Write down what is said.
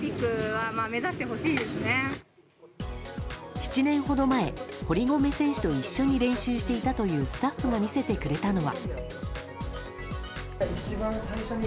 ７年ほど前、堀米選手と一緒に練習していたというスタッフが見せてくれたのは。